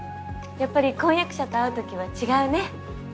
やっぱり婚約者と会うときは違うね。